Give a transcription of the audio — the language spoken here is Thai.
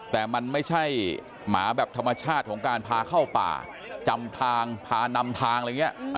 แต่มันไม่ใช่หมาแบบธรรมชาติของการพาเข้าป่าจำทางพานำทางอะไรอย่างนี้